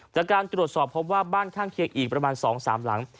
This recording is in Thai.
จากการตรวจสอบพบว่าบ้านข้างเคียงอีกประมาณ๒๓หลัง